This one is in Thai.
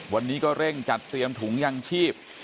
วันนี้ก็เร่งจัดเตรียมถุงยางชีพ